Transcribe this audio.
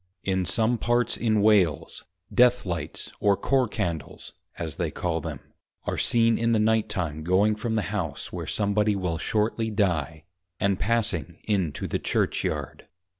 In some parts in Wales Death lights or Corps Candles (as they call them) are seen in the night time going from the House where some body will shortly die, and passing in to the Church yard.